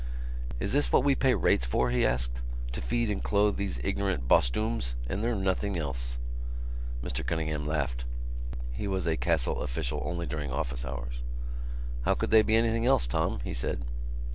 "Is this what we pay rates for?" he asked. "To feed and clothe these ignorant bostooms ... and they're nothing else." Mr Cunningham laughed. He was a Castle official only during office hours. "How could they be anything else, Tom?" he said.